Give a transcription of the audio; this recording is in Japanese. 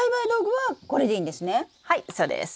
はいそうです。